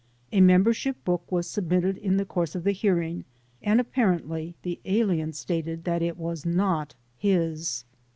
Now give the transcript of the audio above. A membership book was submitted in the course of the hearing and apparently the alien stated that it was not his.